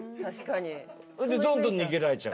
確かに。